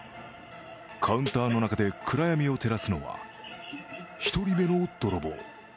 カウンターの中で暗闇を照らすのは１人目の泥棒。